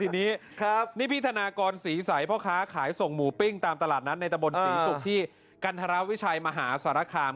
ทีนี้นี่พี่ธนากรศรีใสพ่อค้าขายส่งหมูปิ้งตามตลาดนัดในตะบนศรีศุกร์ที่กันธรวิชัยมหาสารคาม